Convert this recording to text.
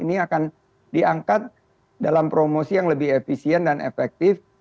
dan diangkat dalam promosi yang lebih efisien dan efektif